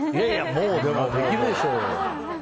もうできるでしょう。